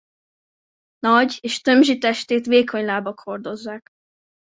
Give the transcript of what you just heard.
Nagy és tömzsi testét vékony lábak hordozzák.